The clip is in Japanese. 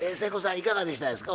いかがでしたですか？